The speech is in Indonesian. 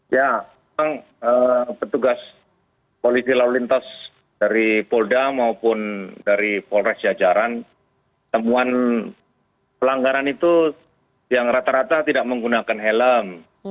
ya memang petugas polisi lalu lintas dari polda maupun dari polres jajaran temuan pelanggaran itu yang rata rata tidak menggunakan helm